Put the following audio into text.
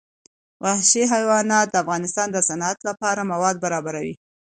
وحشي حیوانات د افغانستان د صنعت لپاره مواد برابروي.